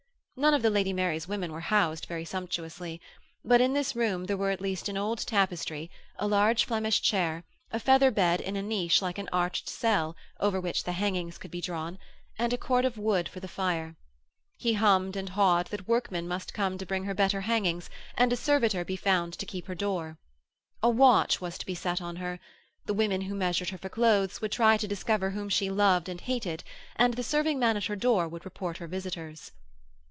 None of the Lady Mary's women were housed very sumptuously, but in this room there were at least an old tapestry, a large Flemish chair, a feather bed in a niche like an arched cell over which the hangings could be drawn, and a cord of wood for the fire. He hummed and hawed that workmen must come to bring her better hangings, and a servitor be found to keep her door. A watch was to be set on her; the women who measured her for clothes would try to discover whom she loved and hated, and the serving man at her door would report her visitors.